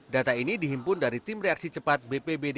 data ini dihimpun dari tim reaksi cepat bpbd daerah istimewa yogyakarta